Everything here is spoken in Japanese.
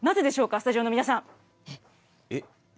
スタジオの皆さん。